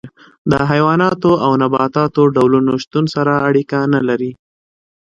د حیواناتو او نباتاتو ډولونو شتون سره اړیکه نه لري.